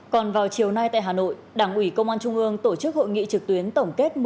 còn vào chiều nay tại hà nội đảng ủy công an trung ương tổ chức hội nghị trực tuyến tổng kết